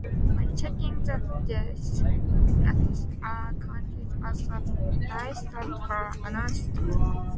When checking the dice, aces are counted as the dice that were announced.